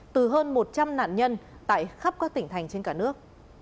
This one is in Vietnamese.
từ hơn một trăm linh nạn nhân tại khắp các tỉnh thành trên cả nước